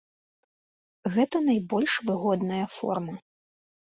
Гэта найбольш выгодная форма.